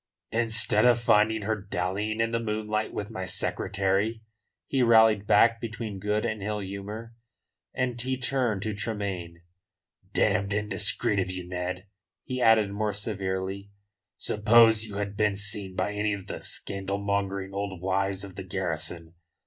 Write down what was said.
"Instead of finding her dallying in the moonlight with my secretary," he rallied back between good and ill humour. And he turned to Tremayne: "Damned indiscreet of you, Ned," he added more severely. "Suppose you had been seen by any of the scandalmongering old wives of the garrison?